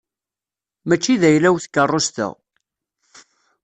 Mačči d ayla-w tkeṛṛust-a.